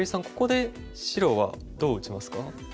ここで白はどう打ちますか？